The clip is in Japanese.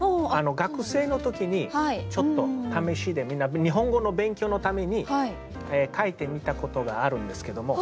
学生の時にちょっと試しで日本語の勉強のために書いてみたことがあるんですけども。